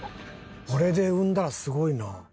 これで産んだらすごいな。